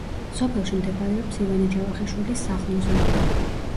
სოფელში მდებარეობს ივანე ჯავახიშვილის სახლ-მუზეუმი.